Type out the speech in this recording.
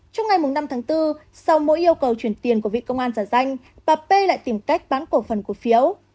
trong ngày năm tháng bốn sau mỗi yêu cầu chuyển tiền của vị công an giả danh bà p lại tìm cách bán cổ phần cổ phiếu